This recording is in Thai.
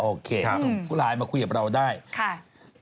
โอเคส่งผู้ไลน์มาคุยกับเราได้ค่ะ